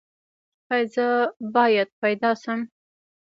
ایا زه باید پیدا شم؟